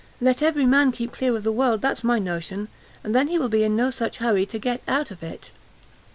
Let every man keep clear of the world, that's my notion, and then he will be in no such hurry to get out of it."